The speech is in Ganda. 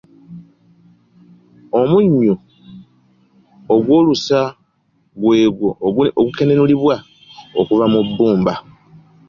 Omunnyu ogw'olusa gw'egwo ogukenenulibwa okuva mu bbumba